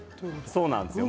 そうなんです。